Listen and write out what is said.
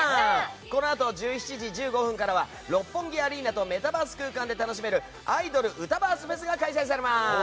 このあと１７時１５分からは六本木アリーナとメタバース空間で楽しめるアイドル“ウタ”バースＦＥＳが開催されます。